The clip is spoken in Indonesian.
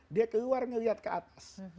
dia keluar ngelihat ke atas